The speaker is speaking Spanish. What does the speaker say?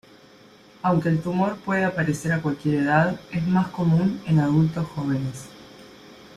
Aunque el tumor puede aparecer a cualquier edad, es más común en adultos jóvenes.